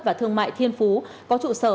và thương mại thiên phú có trụ sở